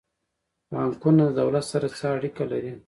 بانکونه د دولت سره څه اړیکه لري؟